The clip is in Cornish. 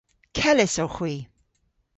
Kellys owgh hwi.